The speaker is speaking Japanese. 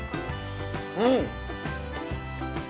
うん！